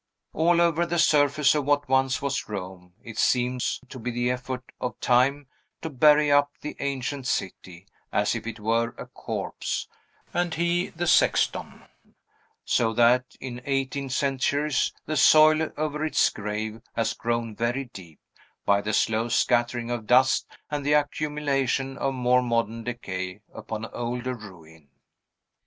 All over the surface of what once was Rome, it seems to be the effort of Time to bury up the ancient city, as if it were a corpse, and he the sexton; so that, in eighteen centuries, the soil over its grave has grown very deep, by the slow scattering of dust, and the accumulation of more modern decay upon older ruin.